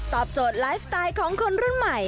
ตอบโจทย์ไลฟ์ไตล์ของคนเรื่องใหม่